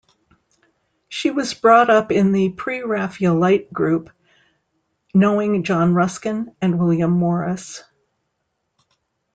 She was brought up in the Pre-Raphaelite group, knowing John Ruskin and William Morris.